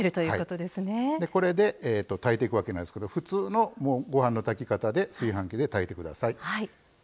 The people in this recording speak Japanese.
これで炊いていくわけなんですけども普通のご飯の炊き方で炊飯器で炊いてください。